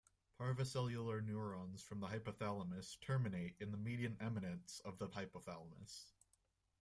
Parvocellular neurons from the hypothalamus terminate in the median eminence of the hypothalamus.